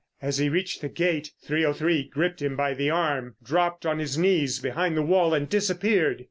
As he reached the gate 303 gripped him by the arm, dropped on his knees behind the wall and disappeared.